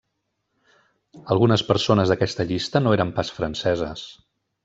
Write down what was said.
Algunes persones d'aquesta llista no eren pas franceses.